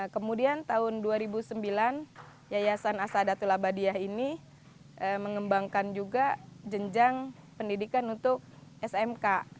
kemudian tahun dua ribu sembilan yayasan asadatul abadiah ini mengembangkan juga jenjang pendidikan untuk smk